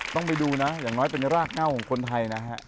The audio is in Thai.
ต้องไปดูนะอย่างน้อยเป็นรากเน่าของคนไทยนะฮะ